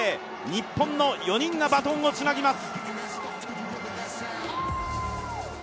日本の４人がバトンをつなぎます。